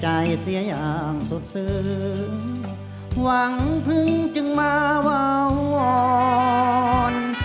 ใจเสียอย่างสุดสือหวังเพิ่งจึงมาวาวอ่อน